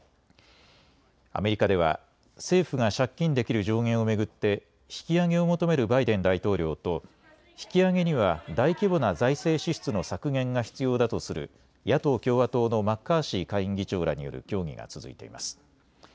アメリカでは政府が借金できる上限を巡って引き上げを求めるバイデン大統領と、引き上げには大規模な財政支出の削減が必要だとする野党・共和党のマッカーシー下院議長らによる協議が続いています。